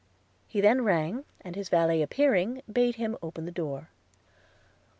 He then rang, and his valet appearing, he bade him open the door.